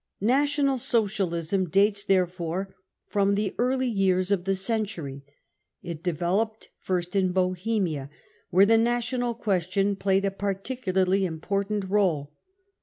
National Socialism dates therefore from the early jrca °f tile century. It developed first in Bohemia, where the national question played a particularly important rdle.